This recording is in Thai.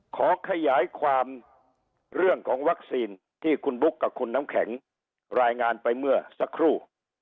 ขอขยายความเรื่องของวัคซีนที่คุณบุ๊คกับคุณน้ำแข็งรายงานไปเมื่อสักครู่